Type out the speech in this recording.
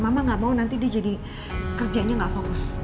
mama gak mau dia jadi kerjanya gak fokus